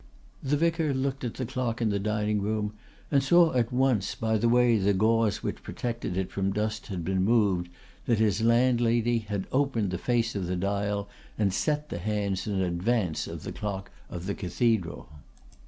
The vicar looked at the clock in the dining room, and saw at once, by the way the gauze which protected it from dust had been moved, that his landlady had opened the face of the dial and set the hands in advance of the clock of the cathedral.